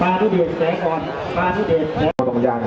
ฟ้าทุกเดชแสงกรฟ้าทุกเดชแสงกร